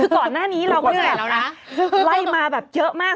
คือก่อนหน้านี้เราก็ไล่มาแบบเยอะมาก